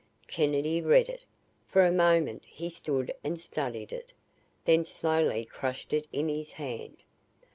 Kennedy read it. For a moment he stood and studied it, then slowly crushed it in his hand.